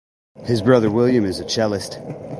His brother William is a cellist.